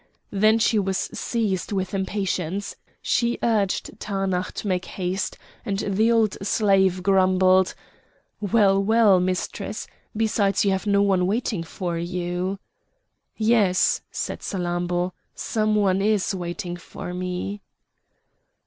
Then she was seized with impatience; she urged Taanach to make haste, and the old slave grumbled: "Well! well! Mistress!—Besides, you have no one waiting for you!" "Yes!" said Salammbô, "some one is waiting for me."